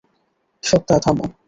সত্যা, থামো!